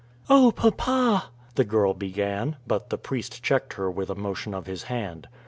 "Oh, papa " the girl began, but the priest checked her with a motion of his hand.